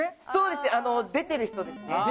そうですあの出てる人ですね。